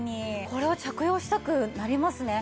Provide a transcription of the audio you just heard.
これは着用したくなりますね。